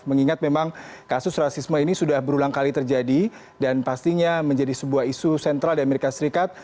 mengingat memang kasus rasisme ini sudah berulang kali terjadi dan pastinya menjadi sebuah isu sentral di amerika serikat